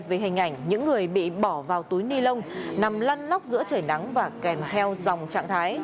về hình ảnh những người bị bỏ vào túi ni lông nằm lân nóc giữa trời nắng và kèm theo dòng trạng thái